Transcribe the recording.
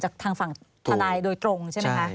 ทางฝั่งทนายโดยตรงใช่ไหมคะ